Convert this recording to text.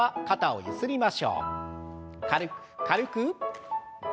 軽く軽く。